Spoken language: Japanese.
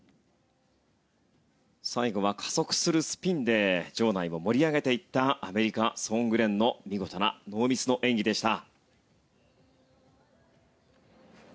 最後は加速するスピンで場内を盛り上げていったアメリカ、ソーングレンの見事なノーミスの演技でした。